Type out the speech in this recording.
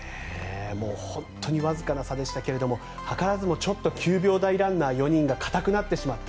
本当にわずかな差でしたけど図らずも９秒台ランナー４人が硬くなってしまった。